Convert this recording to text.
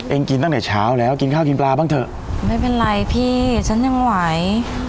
กินตั้งแต่เช้าแล้วกินข้าวกินปลาบ้างเถอะไม่เป็นไรพี่ฉันยังไหว